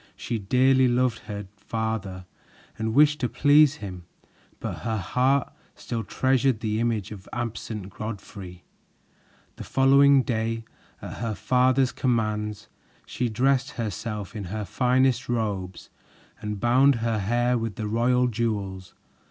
She dearly loved her father and wished to please him, but her heart still treasured the image of the absent Godfrey. The following day, at her father's commands, she dressed herself in her finest robes and bound her hair with the royal jewels.